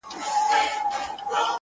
انقلابي نامي نن په نسه کي ډوب و’